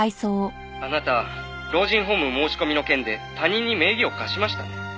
「あなた老人ホーム申し込みの件で他人に名義を貸しましたね」